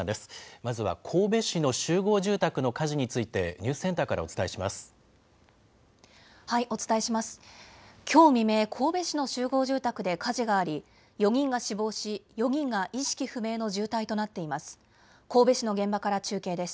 まずは神戸市の集合住宅の火事について、ニュースセンターからおお伝えします。